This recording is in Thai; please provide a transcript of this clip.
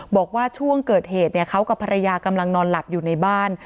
บอกว่าช่วงเกิดเหตุเขากับภรรยากำลังนอนหลับอยู่ในบ้าน